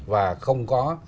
và không có